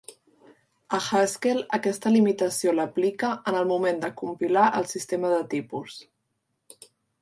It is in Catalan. A Haskell, aquesta limitació l'aplica en el moment de compilar el sistema de tipus.